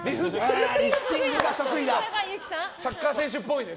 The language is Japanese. リフティングが得意なね。